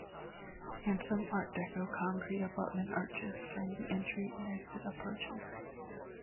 Handsome art-deco concrete abutment arches frame the entry and exit approaches.